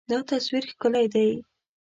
دا تصویر ښکلی دی.